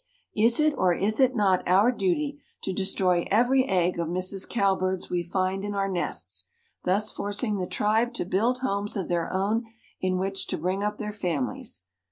"Is it or is it not our duty to destroy every egg of Mrs. Cowbird's we find in our nests, thus forcing the tribe to build homes of their own in which to bring up their families?